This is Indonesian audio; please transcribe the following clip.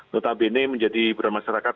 menutupi ini menjadi beramah seragam